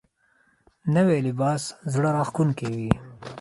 نوی لباس زړه راښکونکی وي